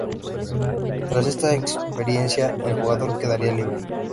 Tras esta experiencia el jugador quedaría libre.